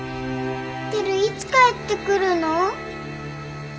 テルいつ帰ってくるの？